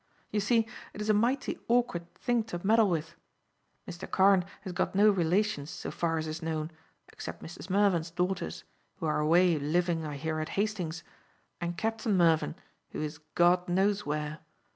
You see it is a mighty awkward thing to meddle with. Mr. Carne has got no relations so far as is known, except Mrs. Mervyn's daughters, who are away living, I hear, at Hastings, and Captain Mervyn, who is God knows where.